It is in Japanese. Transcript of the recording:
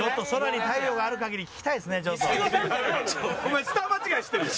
お前スター間違いしてるよ！